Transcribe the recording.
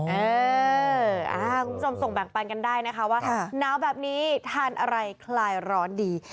คุณผู้ชมส่งแบ่งปันกันได้นะคะว่าหนาวแบบนี้ทานอะไรคลายร้อนดี